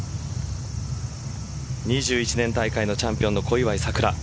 ２１年大会のチャンピオンの小祝さくら。